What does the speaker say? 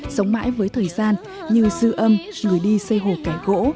sống mãi với thời gian như dư âm người đi xây hồ kẻ gỗ